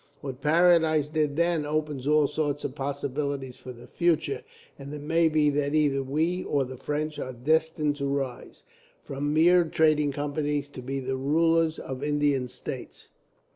What Paradis did then opens all sorts of possibilities for the future; and it may be that either we or the French are destined to rise, from mere trading companies, to be rulers of Indian states.